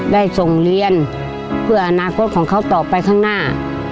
ได้ส่งเรียนเพื่ออนาคตของเขาต่อไปข้างหน้า